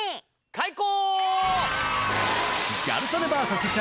開講！